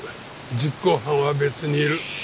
実行犯は別にいる。